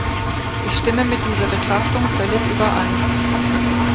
Ich stimme mit dieser Betrachtung völlig überein.